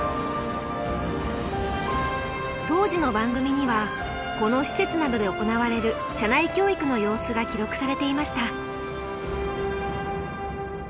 当時の番組にはこの施設などで行われる社内教育の様子が記録されていました。